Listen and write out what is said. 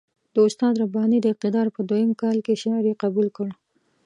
د استاد رباني د اقتدار په دویم کال کې شعر یې قبول کړ.